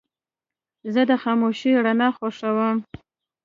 زه د خاموشې رڼا خوښوم.